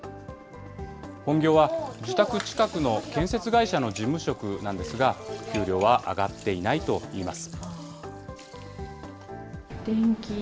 本業は自宅近くの建設会社の事務職なんですが、給料は上がっていないといいます。